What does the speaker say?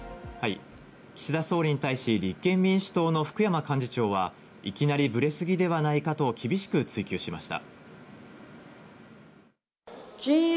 岸田総理に対し、立憲民主党の福山幹事長はいきなりぶれすぎではないかと厳しく追及しました。